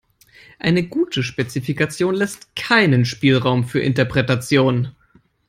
Eine gute Spezifikation lässt keinen Spielraum für Interpretationen.